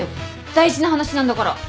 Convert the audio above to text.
大事な話なんだから。